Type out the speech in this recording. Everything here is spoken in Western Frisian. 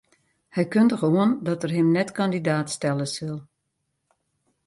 Hy kundige oan dat er him net kandidaat stelle sil.